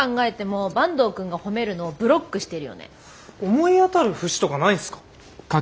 思い当たる節とかないんすか？